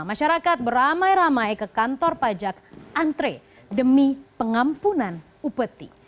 masyarakat beramai ramai ke kantor pajak antre demi pengampunan upeti